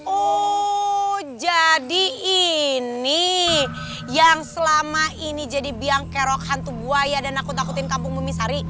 oh jadi ini yang selama ini jadi biang kerok hantu buaya dan nakut takutin kampung bumi sari